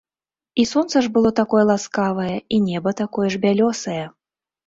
І сонца ж было такое ласкавае і неба такое ж бялёсае.